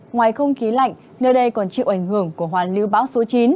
ngoài không khí lạnh nơi đây còn chịu ảnh hưởng của hoàn lưu bão số chín